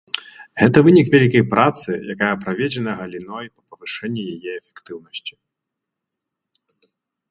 Гэта вынік вялікай працы, якая праведзена галіной па павышэнні яе эфектыўнасці.